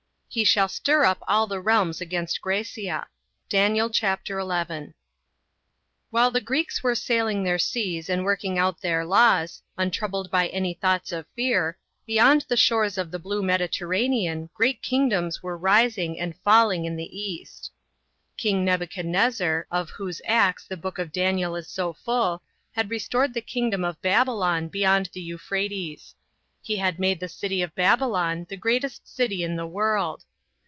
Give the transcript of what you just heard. " He shall stir up all the realms against Grecia." DAN. xi. WHILE the Greeks were sailing their seas and working out their laws, untroubled by any thoughts of fear, beyond the shores of the blue Mediterranean, great kingdoms were rising and falling in the East. King Nebuchadnezzar, of whose acts the book of Daniel is so full, had restored the kingdom of Babylon, beyond the Euphrates. He had made the city of Babylon, the greatest city in the world.